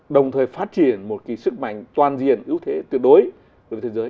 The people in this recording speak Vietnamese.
đồng thời phát triển một sức mạnh toàn diện ưu thế tuyệt đối với thế giới